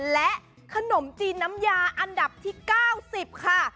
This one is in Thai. และขนมจีนน้ำยาอันดับที่๙๐ค่ะ